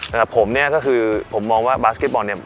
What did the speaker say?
สำหรับผมเนี่ยก็คือผมมองว่าบาสเก็ตบอลเนี่ย